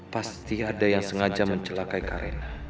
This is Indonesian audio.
pasti ada yang sengaja mencelakai kak raina